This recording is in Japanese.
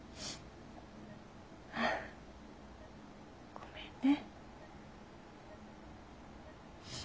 ごめんね。